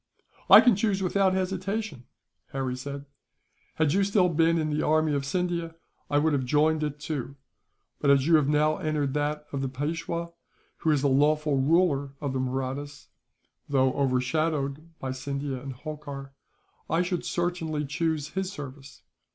"I can choose without hesitation," Harry said. "Had you still been in the army of Scindia, I would have joined it, too; but as you have now entered that of the Peishwa, who is the lawful ruler of the Mahrattas, though overshadowed by Scindia and Holkar, I should certainly choose his service.